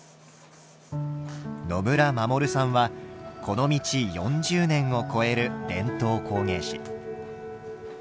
野村守さんはこの道４０年を超える伝統工芸士。